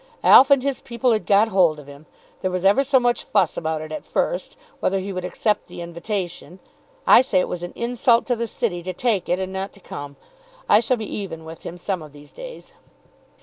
"Alf and his people had got hold of him. There was ever so much fuss about it at first, whether he would accept the invitation. I say it was an insult to the City to take it and not to come. I shall be even with him some of these days."